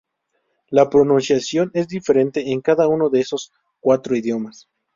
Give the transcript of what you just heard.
La pronunciación es diferente en cada uno de esos cuatro idiomas.